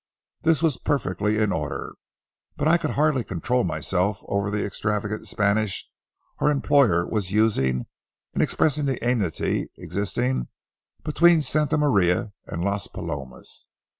This was perfectly in order, but I could hardly control myself over the extravagant Spanish our employer was using in expressing the amity existing between Santa Maria and Las Palomas.